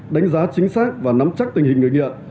đánh giá chính xác và nắm chắc tình hình người nghiện